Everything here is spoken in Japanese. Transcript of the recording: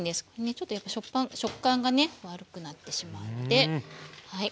ちょっとやっぱ食感がね悪くなってしまうのではい